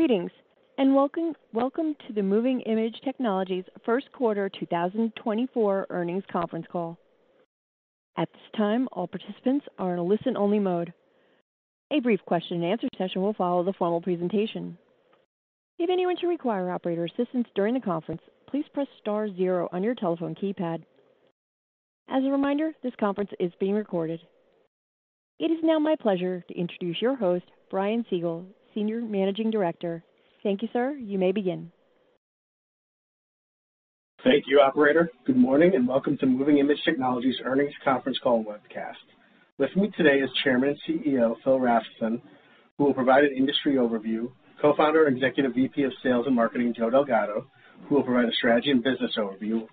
Greetings, and welcome, welcome to the Moving iMage Technologies First Quarter 2024 Earnings Conference Call. At this time, all participants are in a listen-only mode. A brief question-and-answer session will follow the formal presentation. If anyone should require operator assistance during the conference, please press star zero on your telephone keypad. As a reminder, this conference is being recorded. It is now my pleasure to introduce your host, Brian Siegel, Senior Managing Director. Thank you, sir. You may begin. Thank you, operator. Good morning, and welcome to Moving iMage Technologies Earnings Conference Call webcast. With me today is Chairman and CEO, Phil Rafnson, who will provide an industry overview, Co-founder and Executive VP of Sales and Marketing, Joe Delgado, who will provide a strategy and business overview,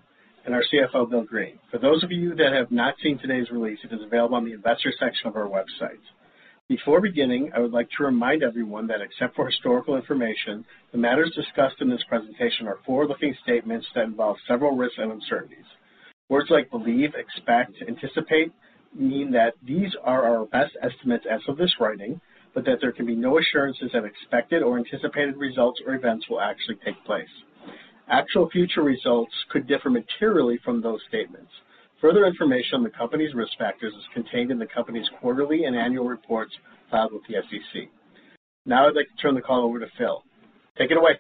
and our CFO, Bill Greene. For those of you that have not seen today's release, it is available on the investor section of our website. Before beginning, I would like to remind everyone that except for historical information, the matters discussed in this presentation are forward-looking statements that involve several risks and uncertainties. Words like believe, expect, anticipate, mean that these are our best estimates as of this writing, but that there can be no assurances that expected or anticipated results or events will actually take place. Actual future results could differ materially from those statements. Further information on the company's risk factors is contained in the company's quarterly and annual reports filed with the SEC. Now I'd like to turn the call over to Phil. Take it away.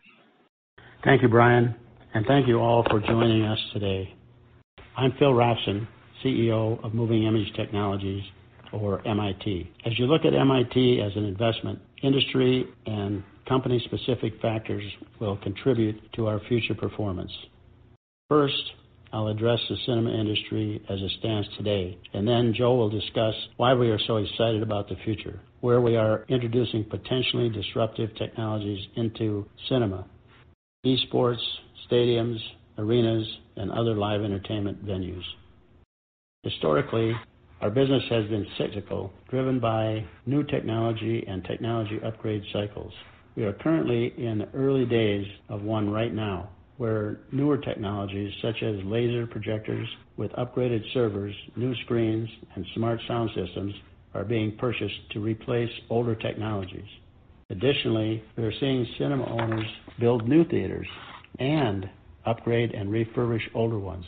Thank you, Brian, and thank you all for joining us today. I'm Phil Rafnson, CEO of Moving iMage Technologies or MIT. As you look at MIT as an investment, industry and company-specific factors will contribute to our future performance. First, I'll address the cinema industry as it stands today, and then Joe will discuss why we are so excited about the future, where we are introducing potentially disruptive technologies into cinema, esports, stadiums, arenas, and other live entertainment venues. Historically, our business has been cyclical, driven by new technology and technology upgrade cycles. We are currently in the early days of one right now, where newer technologies such as laser projectors with upgraded servers, new screens, and smart sound systems are being purchased to replace older technologies. Additionally, we are seeing cinema owners build new theaters and upgrade and refurbish older ones.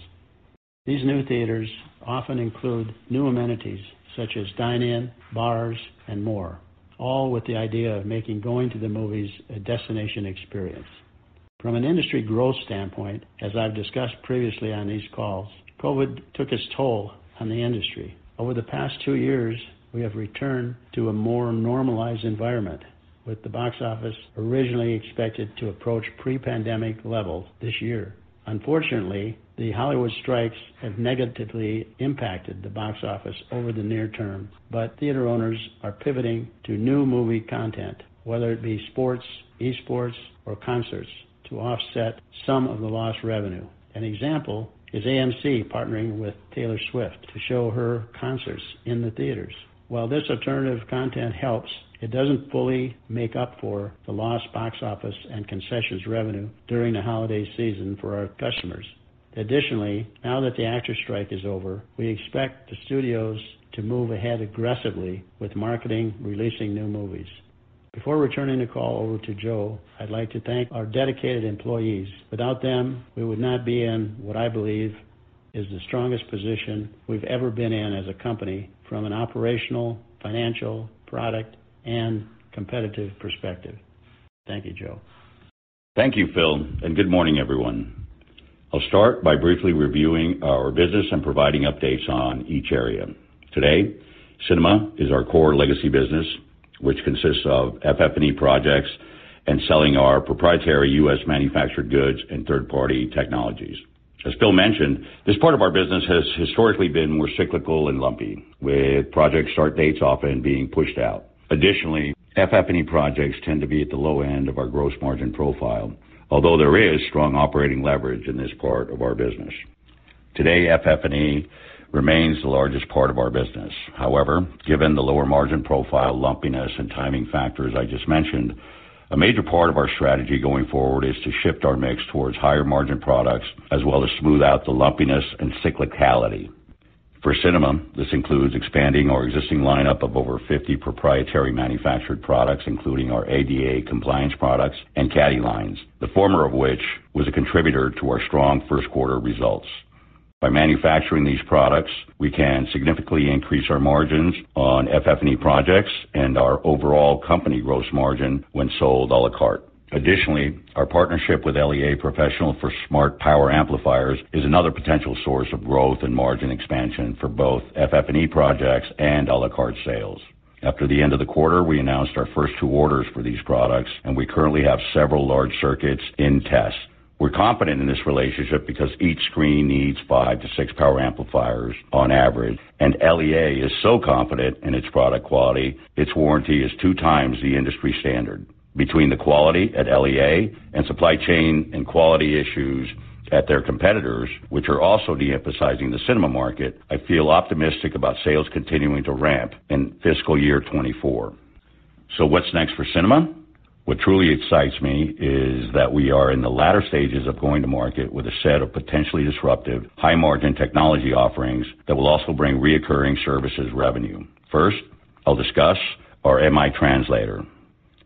These new theaters often include new amenities such as dine-in, bars, and more, all with the idea of making going to the movies a destination experience. From an industry growth standpoint, as I've discussed previously on these calls, COVID took its toll on the industry. Over the past two years, we have returned to a more normalized environment, with the box office originally expected to approach pre-pandemic levels this year. Unfortunately, the Hollywood strikes have negatively impacted the box office over the near term, but theater owners are pivoting to new movie content, whether it be sports, e-sports, or concerts, to offset some of the lost revenue. An example is AMC partnering with Taylor Swift to show her concerts in the theaters. While this alternative content helps, it doesn't fully make up for the lost box office and concessions revenue during the holiday season for our customers. Additionally, now that the actors' strike is over, we expect the studios to move ahead aggressively with marketing, releasing new movies. Before returning the call over to Joe, I'd like to thank our dedicated employees. Without them, we would not be in what I believe is the strongest position we've ever been in as a company from an operational, financial, product, and competitive perspective. Thank you, Joe. Thank you, Phil, and good morning, everyone. I'll start by briefly reviewing our business and providing updates on each area. Today, cinema is our core legacy business, which consists of FF&E projects and selling our proprietary U.S.-manufactured goods and third-party technologies. As Phil mentioned, this part of our business has historically been more cyclical and lumpy, with project start dates often being pushed out. Additionally, FF&E projects tend to be at the low end of our gross margin profile, although there is strong operating leverage in this part of our business. Today, FF&E remains the largest part of our business. However, given the lower margin profile, lumpiness, and timing factors I just mentioned, a major part of our strategy going forward is to shift our mix towards higher-margin products, as well as smooth out the lumpiness and cyclicality. For cinema, this includes expanding our existing lineup of over 50 proprietary manufactured products, including our ADA compliance products and Caddy lines, the former of which was a contributor to our strong first quarter results. By manufacturing these products, we can significantly increase our margins on FF&E projects and our overall company gross margin when sold à la carte. Additionally, our partnership with LEA Professional for smart power amplifiers is another potential source of growth and margin expansion for both FF&E projects and à la carte sales. After the end of the quarter, we announced our first two orders for these products, and we currently have several large circuits in test. We're confident in this relationship because each screen needs five-six power amplifiers on average, and LEA is so confident in its product quality, its warranty is 2x the industry standard. Between the quality at LEA and supply chain and quality issues at their competitors, which are also de-emphasizing the cinema market, I feel optimistic about sales continuing to ramp in fiscal year 2024. So what's next for cinema? What truly excites me is that we are in the latter stages of going to market with a set of potentially disruptive, high-margin technology offerings that will also bring recurring services revenue. First, I'll discuss our MiTranslator....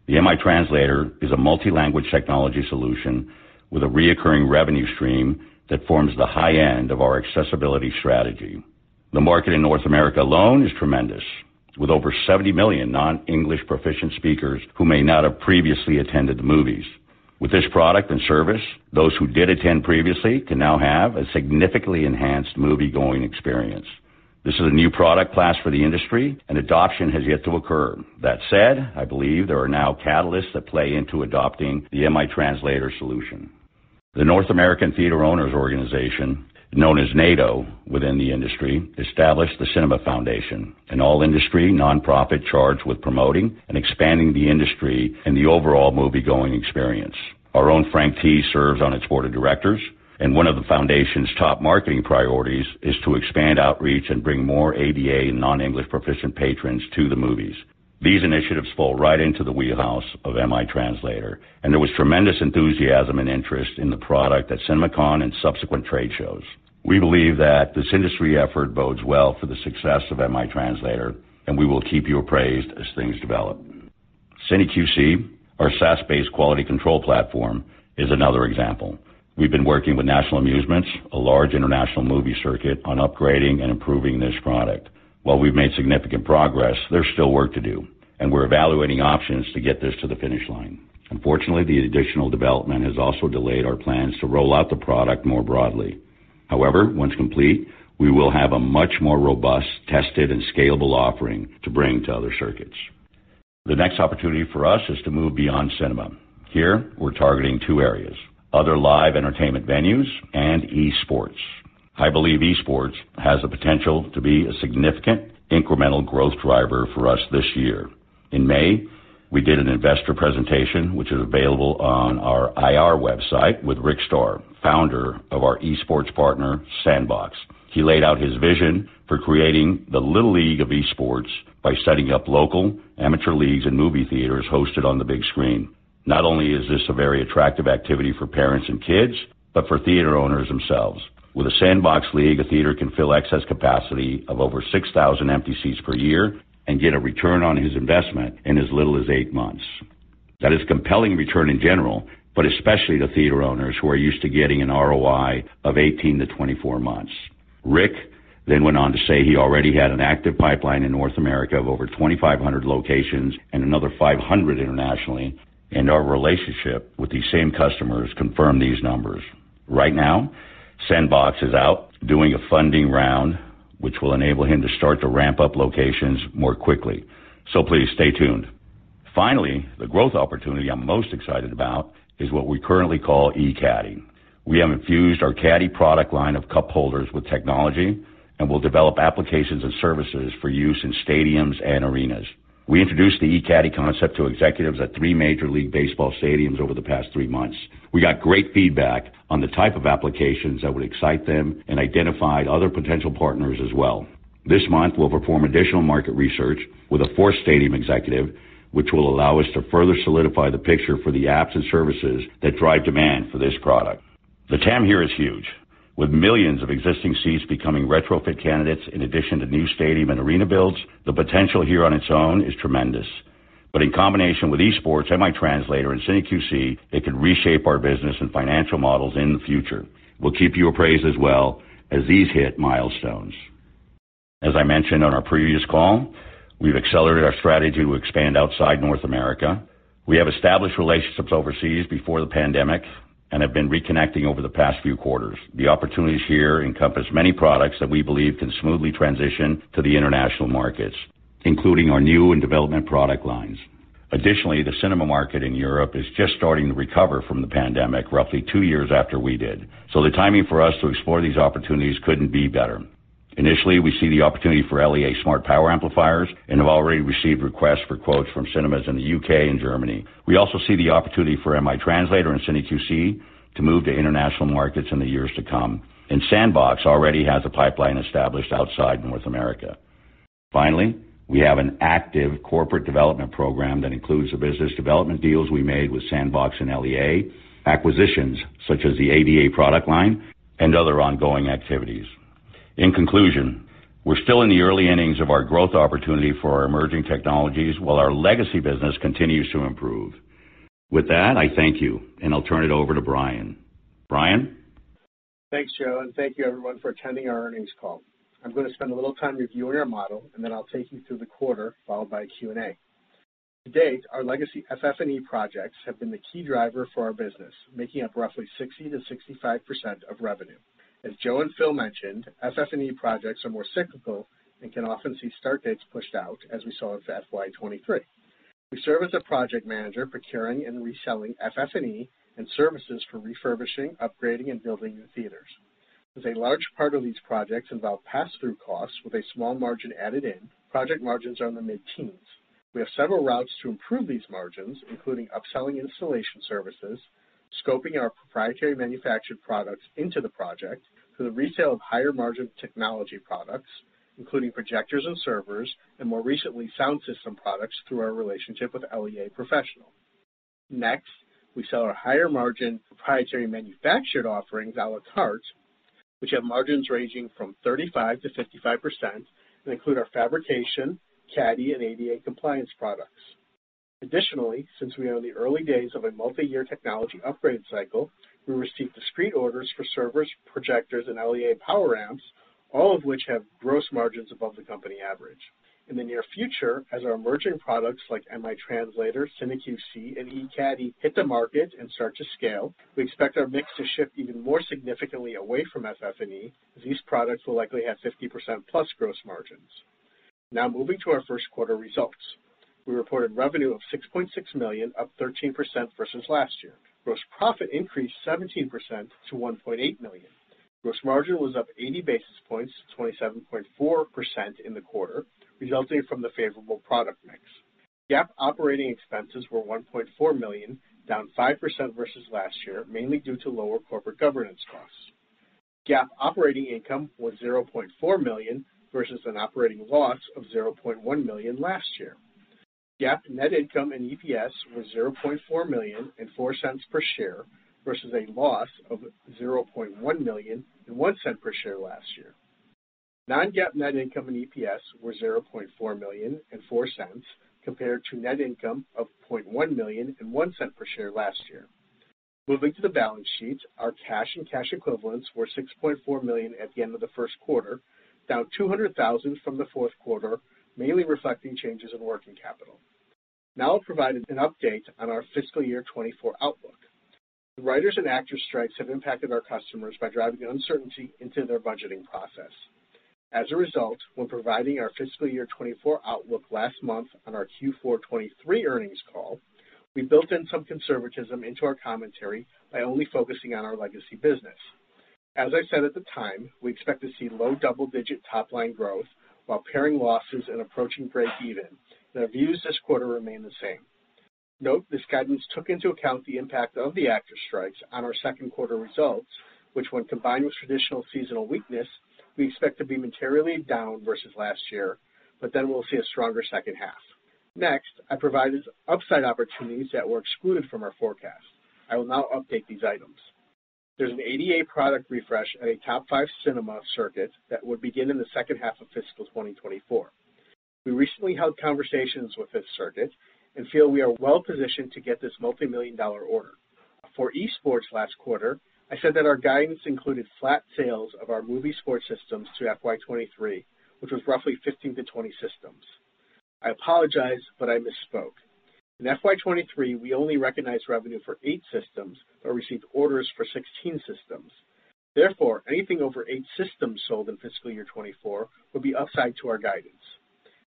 The MiTranslator is a multi-language technology solution with a recurring revenue stream that forms the high end of our accessibility strategy. The market in North America alone is tremendous, with over 70 million non-English proficient speakers who may not have previously attended the movies. With this product and service, those who did attend previously can now have a significantly enhanced moviegoing experience. This is a new product class for the industry, and adoption has yet to occur. That said, I believe there are now catalysts that play into adopting the MiTranslator solution. The National Association of Theatre Owners, known as NATO within the industry, established the Cinema Foundation, an all-industry nonprofit charged with promoting and expanding the industry and the overall moviegoing experience. Our own Frank Tees serves on its board of directors, and one of the foundation's top marketing priorities is to expand outreach and bring more ADA and non-English proficient patrons to the movies. These initiatives fall right into the wheelhouse of MiTranslator, and there was tremendous enthusiasm and interest in the product at CinemaCon and subsequent trade shows. We believe that this industry effort bodes well for the success of MiTranslator, and we will keep you appraised as things develop. CineQC, our SaaS-based quality control platform, is another example. We've been working with National Amusements, a large international movie circuit, on upgrading and improving this product. While we've made significant progress, there's still work to do, and we're evaluating options to get this to the finish line. Unfortunately, the additional development has also delayed our plans to roll out the product more broadly. However, once complete, we will have a much more robust, tested, and scalable offering to bring to other circuits. The next opportunity for us is to move beyond cinema. Here, we're targeting two areas: other live entertainment venues and eSports. I believe eSports has the potential to be a significant incremental growth driver for us this year. In May, we did an investor presentation, which is available on our IR website, with Rick Starr, founder of our eSports partner, SNDBX. He laid out his vision for creating the Little League of Esports by setting up local amateur leagues and movie theaters hosted on the big screen. Not only is this a very attractive activity for parents and kids, but for theater owners themselves. With a SNDBX league, a theater can fill excess capacity of over 6,000 empty seats per year and get a return on his investment in as little as 8 months. That is compelling return in general, but especially to theater owners who are used to getting an ROI of 18-24 months. Rick then went on to say he already had an active pipeline in North America of over 2,500 locations and another 500 internationally, and our relationship with these same customers confirmed these numbers. Right now, SNDBX is out doing a funding round, which will enable him to start to ramp up locations more quickly. So please stay tuned. Finally, the growth opportunity I'm most excited about is what we currently call eCaddy. We have infused our Caddy product line of cup holders with technology and will develop applications and services for use in stadiums and arenas. We introduced the eCaddy concept to executives at three Major League Baseball stadiums over the past three months. We got great feedback on the type of applications that would excite them and identify other potential partners as well. This month, we'll perform additional market research with a fourth stadium executive, which will allow us to further solidify the picture for the apps and services that drive demand for this product. The TAM here is huge, with millions of existing seats becoming retrofit candidates in addition to new stadium and arena builds. The potential here on its own is tremendous. But in combination with eSports, MiTranslator, and CineQC, it could reshape our business and financial models in the future. We'll keep you appraised as well as these hit milestones. As I mentioned on our previous call, we've accelerated our strategy to expand outside North America. We have established relationships overseas before the pandemic and have been reconnecting over the past few quarters. The opportunities here encompass many products that we believe can smoothly transition to the international markets, including our new and development product lines. Additionally, the cinema market in Europe is just starting to recover from the pandemic, roughly two years after we did, so the timing for us to explore these opportunities couldn't be better. Initially, we see the opportunity for LEA smart power amplifiers and have already received requests for quotes from cinemas in the U.K. and Germany. We also see the opportunity for MiTranslator and CineQC to move to international markets in the years to come, and SNDBX already has a pipeline established outside North America. Finally, we have an active corporate development program that includes the business development deals we made with SNDBX and LEA, acquisitions such as the ADA product line, and other ongoing activities. In conclusion, we're still in the early innings of our growth opportunity for our emerging technologies while our legacy business continues to improve. With that, I thank you, and I'll turn it over to Brian. Brian? Thanks, Joe, and thank you everyone for attending our earnings call. I'm going to spend a little time reviewing our model, and then I'll take you through the quarter, followed by a Q&A. To date, our legacy FF&E projects have been the key driver for our business, making up roughly 60%-65% of revenue. As Joe and Phil mentioned, FF&E projects are more cyclical and can often see start dates pushed out, as we saw with FY 2023. We serve as a project manager, procuring and reselling FF&E and services for refurbishing, upgrading, and building new theaters. As a large part of these projects involve pass-through costs with a small margin added in, project margins are in the mid-teens. We have several routes to improve these margins, including upselling installation services, scoping our proprietary manufactured products into the project through the resale of higher-margin technology products, including projectors and servers, and more recently, sound system products through our relationship with LEA Professional. Next, we sell our higher margin proprietary manufactured offerings a la carte, which have margins ranging from 35%-55% and include our fabrication, Caddy, and ADA compliance products. Additionally, since we are in the early days of a multi-year technology upgrade cycle, we receive discrete orders for servers, projectors, and LEA power amps, all of which have gross margins above the company average. In the near future, as our emerging products like MiTranslator, CineQC, and eCaddy hit the market and start to scale, we expect our mix to shift even more significantly away from FF&E as these products will likely have 50%+ gross margins. Now moving to our first quarter results. We reported revenue of $6.6 million, up 13% versus last year. Gross profit increased 17% to $1.8 million. Gross margin was up 80 basis points, 27.4% in the quarter, resulting from the favorable product mix. GAAP operating expenses were $1.4 million, down 5% versus last year, mainly due to lower corporate governance costs. GAAP operating income was $0.4 million versus an operating loss of $0.1 million last year. GAAP net income and EPS was $0.4 million and $0.04 per share, versus a loss of $0.1 million and $0.01 per share last year. Non-GAAP net income and EPS were $0.4 million and $0.04, compared to net income of $0.1 million and $0.01 per share last year. Moving to the balance sheet, our cash and cash equivalents were $6.4 million at the end of the first quarter, down $200,000 from the fourth quarter, mainly reflecting changes in working capital. Now I'll provide an update on our fiscal year 2024 outlook. The writers and actors strikes have impacted our customers by driving uncertainty into their budgeting process. As a result, when providing our fiscal year 2024 outlook last month on our Q4 2023 earnings call, we built in some conservatism into our commentary by only focusing on our legacy business. As I said at the time, we expect to see low double-digit top line growth while paring losses and approaching break even, and our views this quarter remain the same. Note, this guidance took into account the impact of the actor strikes on our second quarter results, which, when combined with traditional seasonal weakness, we expect to be materially down versus last year, but then we'll see a stronger second half. Next, I provided upside opportunities that were excluded from our forecast. I will now update these items. There's an ADA product refresh at a top five cinema circuit that would begin in the second half of fiscal 2024. We recently held conversations with this circuit and feel we are well positioned to get this multimillion-dollar order. For Esports last quarter, I said that our guidance included flat sales of our movie sports systems through FY 2023, which was roughly 15-20 systems. I apologize, but I misspoke. In FY 2023, we only recognized revenue for eight systems, but received orders for 16 systems. Therefore, anything over eight systems sold in fiscal year 2024 would be upside to our guidance.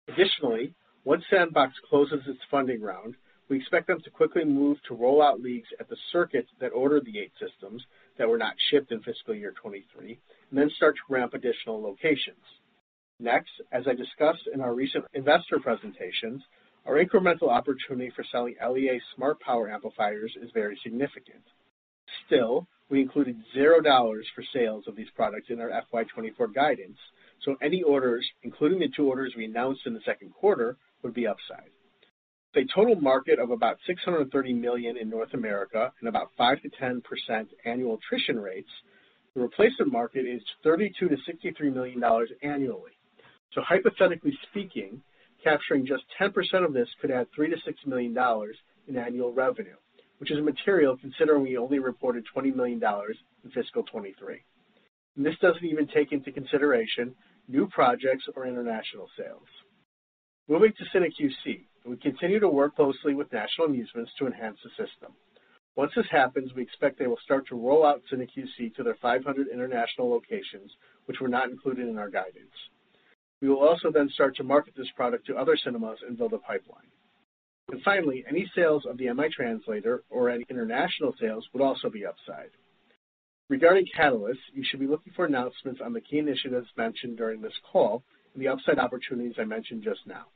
Additionally, once SNDBX closes its funding round, we expect them to quickly move to roll out leagues at the circuits that ordered the eight systems that were not shipped in fiscal year 2023, and then start to ramp additional locations. Next, as I discussed in our recent investor presentations, our incremental opportunity for selling LEA smart power amplifiers is very significant. Still, we included $0 for sales of these products in our FY 2024 guidance, so any orders, including the two orders we announced in the second quarter, would be upside. With a total market of about $630 million in North America and about 5%-10% annual attrition rates, the replacement market is $32 million-$63 million annually. So hypothetically speaking, capturing just 10% of this could add $3 million-$6 million in annual revenue, which is material, considering we only reported $20 million in fiscal 2023. And this doesn't even take into consideration new projects or international sales. Moving to CineQC, we continue to work closely with National Amusements to enhance the system. Once this happens, we expect they will start to roll out CineQC to their 500 international locations, which were not included in our guidance. We will also then start to market this product to other cinemas and build a pipeline. Finally, any sales of the MiTranslator or any international sales would also be upside. Regarding catalysts, you should be looking for announcements on the key initiatives mentioned during this call and the upside opportunities I mentioned just now.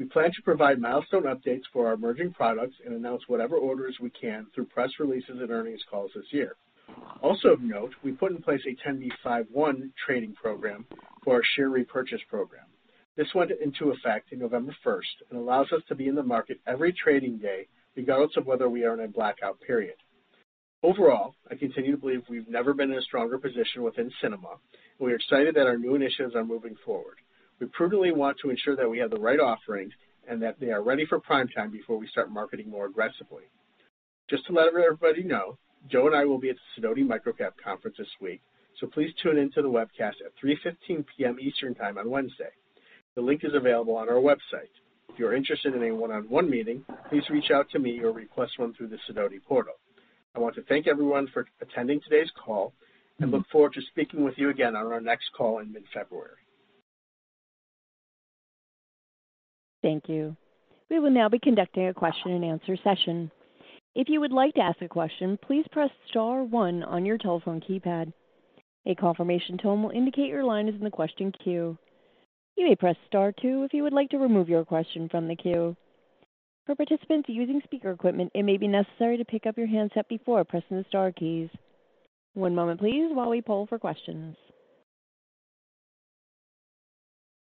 We plan to provide milestone updates for our emerging products and announce whatever orders we can through press releases and earnings calls this year. Also of note, we put in place a 10b5-1 trading program for our share repurchase program. This went into effect in November first and allows us to be in the market every trading day, regardless of whether we are in a blackout period. Overall, I continue to believe we've never been in a stronger position within cinema, and we are excited that our new initiatives are moving forward. We prudently want to ensure that we have the right offerings and that they are ready for prime time before we start marketing more aggressively. Just to let everybody know, Joe and I will be at the Sidoti Microcap Conference this week, so please tune in to the webcast at 3:15 P.M. Eastern time on Wednesday. The link is available on our website. If you're interested in a one-on-one meeting, please reach out to me or request one through the Sidoti portal. I want to thank everyone for attending today's call and look forward to speaking with you again on our next call in mid-February. Thank you. We will now be conducting a question and answer session. If you would like to ask a question, please press star one on your telephone keypad. A confirmation tone will indicate your line is in the question queue. You may press star two if you would like to remove your question from the queue. For participants using speaker equipment, it may be necessary to pick up your handset before pressing the star keys. One moment, please, while we poll for questions.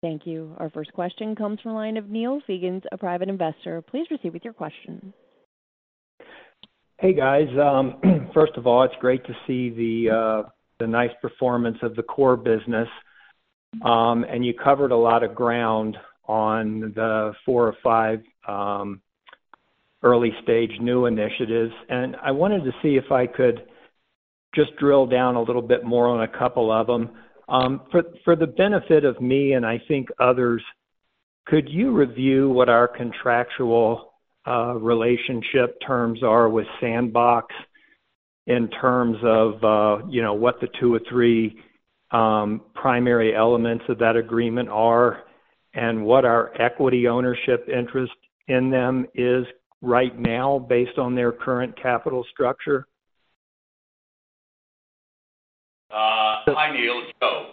Thank you. Our first question comes from the line of Neil Feigeles, a private investor. Please proceed with your question. Hey, guys. First of all, it's great to see the nice performance of the core business. And you covered a lot of ground on the four or five early-stage new initiatives, and I wanted to see if I could just drill down a little bit more on a couple of them. For the benefit of me, and I think others, could you review what our contractual relationship terms are with SNDBX in terms of you know, what the two or three primary elements of that agreement are? And what our equity ownership interest in them is right now based on their current capital structure? Hi, Neil. It's Joe.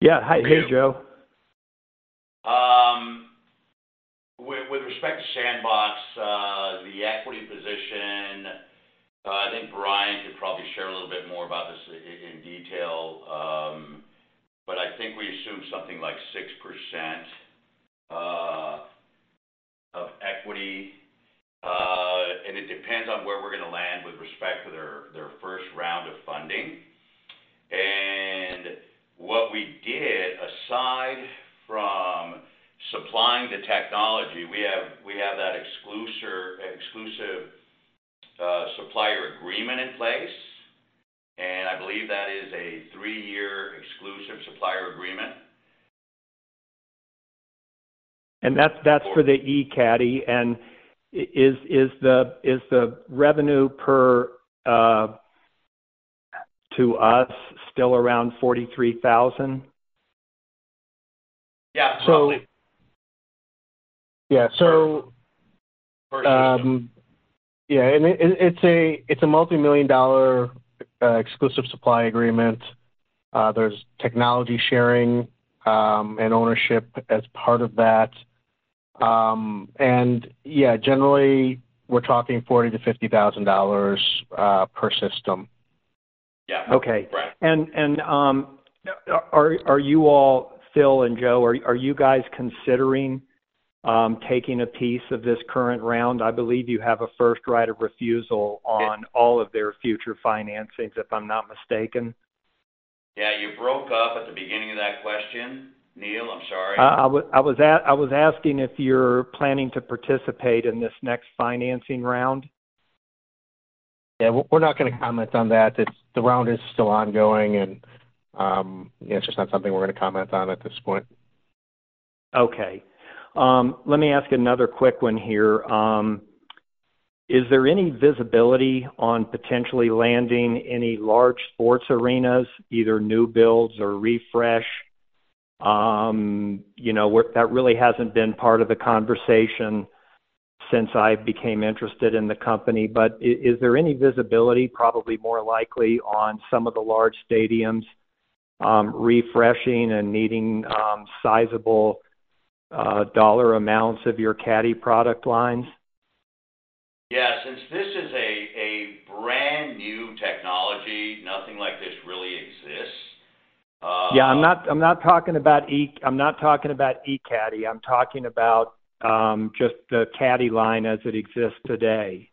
Yeah. Hi. Hey, Joe. With respect to SNDBX, the equity position, I think Brian could probably share a little bit more about this in detail, but I think we assumed something like 6% of equity. And it depends on where we're gonna land with respect to their first round of funding. And what we did, aside from supplying the technology, we have that exclusive supplier agreement in place, and I believe that is a three-year exclusive supplier agreement. And that's for the eCaddy. And is the revenue per to us still around $43,000? Yeah, probably. Yeah. So, yeah, and it, it's a multimillion-dollar exclusive supply agreement. There's technology sharing, and ownership as part of that. And yeah, generally, we're talking $40,000-$50,000 per system. Yeah. Okay. Right. Are you all, Phil and Joe, are you guys considering taking a piece of this current round? I believe you have a first right of refusal on all of their future financings, if I'm not mistaken. Yeah. You broke up at the beginning of that question, Neil. I'm sorry. I was asking if you're planning to participate in this next financing round? Yeah, we're not gonna comment on that. It's... The round is still ongoing, and, you know, it's just not something we're gonna comment on at this point. Okay. Let me ask another quick one here. Is there any visibility on potentially landing any large sports arenas, either new builds or refresh? You know, where that really hasn't been part of the conversation since I became interested in the company, but is there any visibility, probably more likely, on some of the large stadiums, refreshing and needing sizable dollar amounts of your Caddy product lines? Yeah. Since this is a brand-new technology, nothing like this really exists. Yeah. I'm not, I'm not talking about eCaddy. I'm talking about just the Caddy line as it exists today.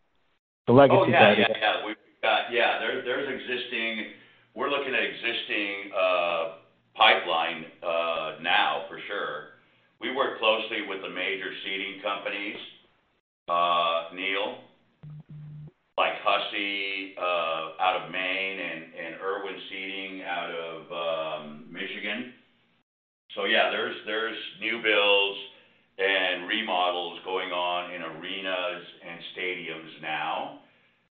The legacy Caddy. Oh, yeah, yeah, yeah. We've got. Yeah, there's existing. We're looking at existing pipeline now for sure. We work closely with the major seating companies, Neil, like Hussey Seating out of Maine and Irwin Seating out of Michigan. So yeah, there's new builds and remodels going on in arenas and stadiums now.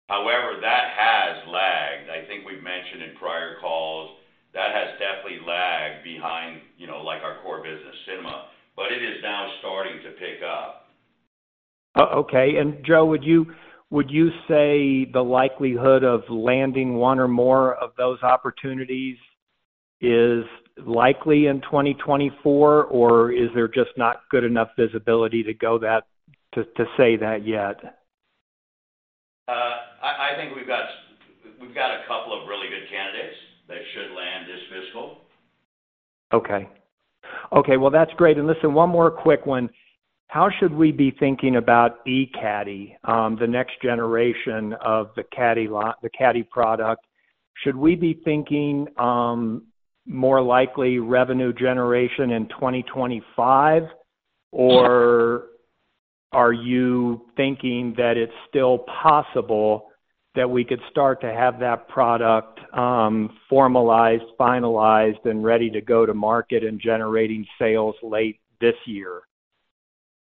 However, that has lagged. I think we've mentioned in prior calls, that has definitely lagged behind, you know, like our core business, cinema, but it is now starting to pick up. Okay. And Joe, would you, would you say the likelihood of landing one or more of those opportunities is likely in 2024, or is there just not good enough visibility to go that-- to, to say that yet? I think we've got a couple of really good candidates that should land this fiscal. Okay. Okay, well, that's great. And listen, one more quick one: How should we be thinking about eCaddy, the next generation of the Caddy product? Should we be thinking more likely revenue generation in 2025? Or are you thinking that it's still possible that we could start to have that product formalized, finalized, and ready to go to market and generating sales late this year?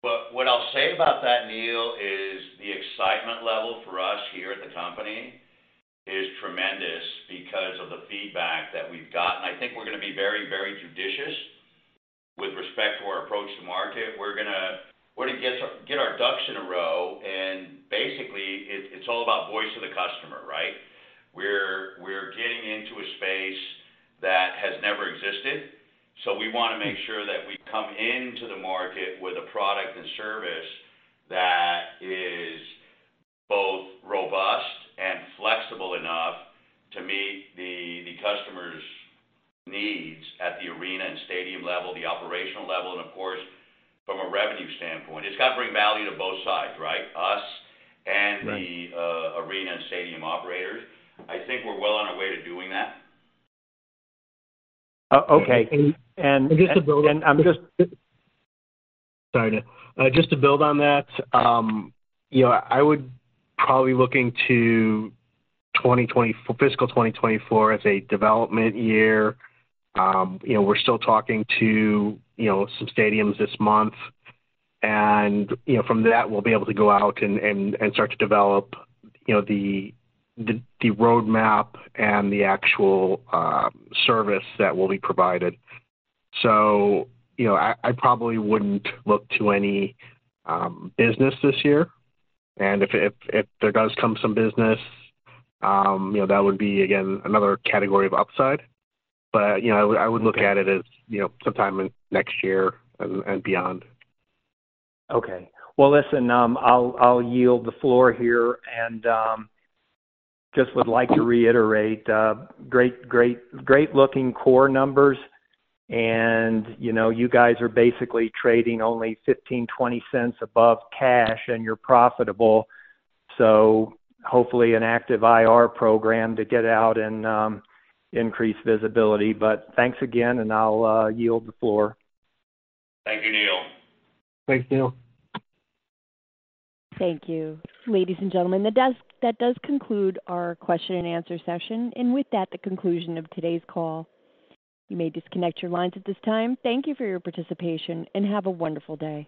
Well, what I'll say about that, Neil, is the excitement level for us here at the company is tremendous because of the feedback that we've gotten. I think we're gonna be very, very judicious with respect to our approach to market. We're gonna get our ducks in a row, and basically, it's all about voice of the customer, right? We're getting into a space that has never existed, so we wanna make sure that we come into the market with a product and service that is both robust and flexible enough to meet the customer's needs at the arena and stadium level, the operational level, and of course, from a revenue standpoint. It's got to bring value to both sides, right? Us and- Right. the arena and stadium operators. I think we're well on our way to doing that. Okay. And just to build- I'm just... Sorry, just to build on that, you know, I would probably looking to 2024 fiscal 2024 as a development year. You know, we're still talking to, you know, some stadiums this month, and, you know, from that, we'll be able to go out and and start to develop, you know, the roadmap and the actual service that will be provided. So, you know, I probably wouldn't look to any business this year. And if there does come some business, you know, that would be, again, another category of upside. But, you know, I would look at it as, you know, sometime in next year and beyond. Okay. Well, listen, I'll yield the floor here, and just would like to reiterate, great, great, great looking core numbers. You know, you guys are basically trading only $0.15-$0.20 above cash, and you're profitable. So hopefully, an active IR program to get out and increase visibility. But thanks again, and I'll yield the floor. Thank you, Neil. Thanks, Neil. Thank you. Ladies and gentlemen, that does, that does conclude our question and answer session, and with that, the conclusion of today's call. You may disconnect your lines at this time. Thank you for your participation, and have a wonderful day.